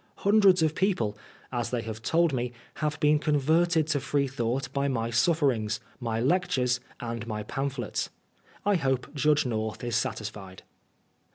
Hundreds of people, as they have told me, have been converted to Freethought by my sufferings, my lectures, and my pamphlets. I hope Judge North is satisfied.